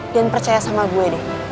dan percaya sama gue deh